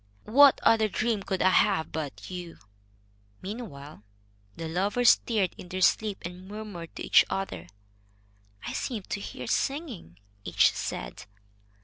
What other dream could I have but you?" Meanwhile, the lovers stirred in their sleep, and murmured to each other. "I seemed to hear singing," each said.